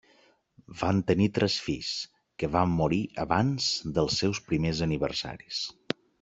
Van tenir tres fills, que van morir abans dels seus primers aniversaris.